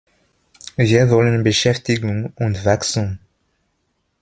Wir wollen Beschäftigung und Wachstum.